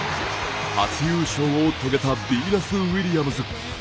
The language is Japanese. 初優勝を遂げたビーナス・ウィリアムズ。